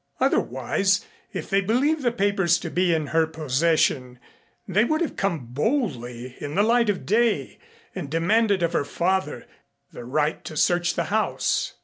Otherwise if they believed the papers to be in her possession they would have come boldly in the light of day and demanded of her father the right to search the house.